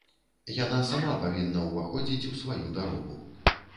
Яна сама павінна ўваходзіць у сваю дарогу.